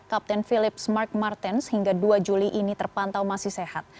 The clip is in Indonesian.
kapten philips mark martens hingga dua juli ini terpantau masih sehat